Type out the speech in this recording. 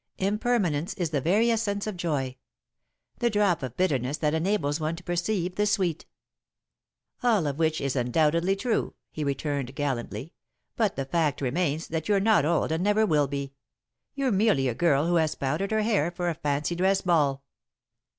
Impermanence is the very essence of joy the drop of bitterness that enables one to perceive the sweet." [Sidenote: Over the Breakfast Cups] "All of which is undoubtedly true," he returned, gallantly, "but the fact remains that you're not old and never will be. You're merely a girl who has powdered her hair for a fancy dress ball."